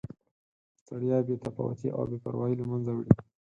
ستړیا، بې تفاوتي او بې پروایي له مینځه وړي.